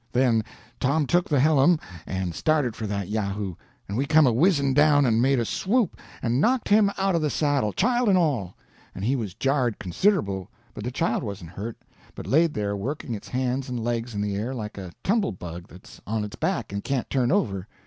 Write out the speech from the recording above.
Then Tom took the hellum, and started for that yahoo, and we come a whizzing down and made a swoop, and knocked him out of the saddle, child and all; and he was jarred considerable, but the child wasn't hurt, but laid there working its hands and legs in the air like a tumble bug that's on its back and can't turn over.